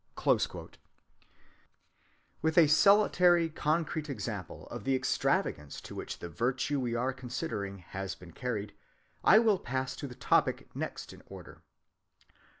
(189) With a solitary concrete example of the extravagance to which the virtue we are considering has been carried, I will pass to the topic next in order.